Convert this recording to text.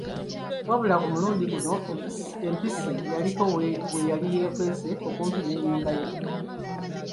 Wabula ku mulundi guno, empisi yaliko weyali y'ekwese okumpi n'enyumba ye.